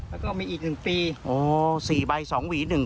แล้วก็มีอีก๑ปี๔ใบ๒หวี๑